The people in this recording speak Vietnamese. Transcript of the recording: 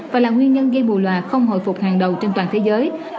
và là nguyên nhân gây bù loà không hồi phục hàng đầu trên toàn thế giới